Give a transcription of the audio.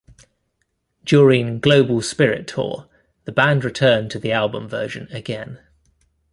During "Global Spirit Tour" the band returned to the album version again.